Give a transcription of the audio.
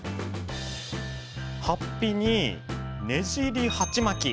はっぴに、ねじり鉢巻き。